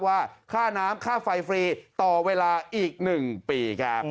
ว่าค่าน้ำค่าไฟฟรีต่อเวลาอีก๑ปีครับ